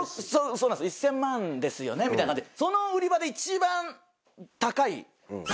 そうなんです１０００万ですよねみたいな感じで。